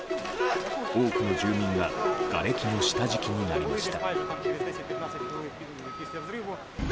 多くの住民ががれきの下敷きになりました。